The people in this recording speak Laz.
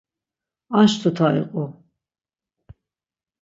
Anş tuta iqu.